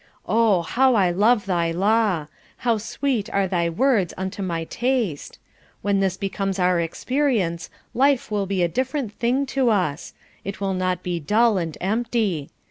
'Oh, how I love thy law!' 'How sweet are thy words unto my taste!' When this becomes our experience, life will be a different thing to us; it will not be dull and empty.